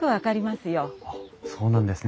そうなんですね。